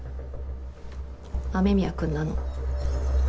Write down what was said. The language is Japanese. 雨宮くんなの。